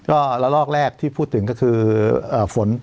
ก็ระลอกแรกที่พูดถึงก็คือฝน